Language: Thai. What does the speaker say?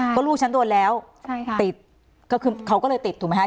เพราะลูกฉันโดนแล้วติดเขาก็เลยติดถูกไหมครับ